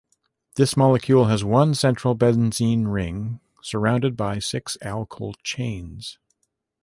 This molecule has one central benzene ring surrounded by six alkyl chains.